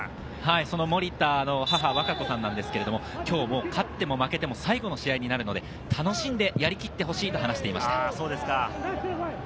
その森田の母・わかこさんですが、今日も勝っても負けても最後の試合になるので、楽しんでやりきってほしいと話しています。